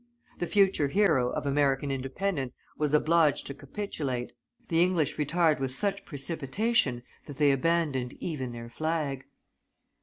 The future hero of American independence was obliged to capitulate; the English retired with such precipitation that they abandoned even their flag.